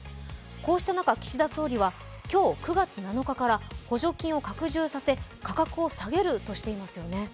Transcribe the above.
こうした中、岸田総理は今日９月７日から補助金を拡充させ、価格を下げるとしていますよね。